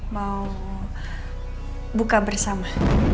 mau buka bersama